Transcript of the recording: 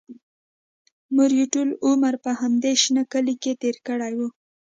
مور یې ټول عمر په همدې شنه کلي کې تېر کړی و